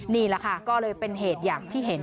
นี่แหละค่ะก็เลยเป็นเหตุอย่างที่เห็น